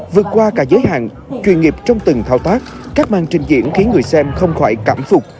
vượt qua cả giới hạn chuyên nghiệp trong từng thao tác các màn trình diễn khiến người xem không khỏi cảm phục